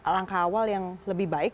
langkah awal yang lebih baik